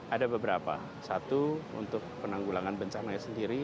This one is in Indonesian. ada beberapa satu untuk penanggulangan bencana sendiri